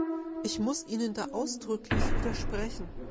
Ich muss Ihnen da ausdrücklich widersprechen.